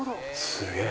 すげえ！